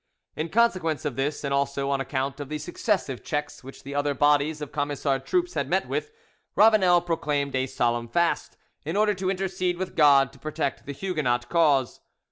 In consequence of this, and also on account of the successive checks which the other bodies of Camisard troops had met with, Ravanel proclaimed a solemn fast, in order to intercede with God to protect the Huguenot cause.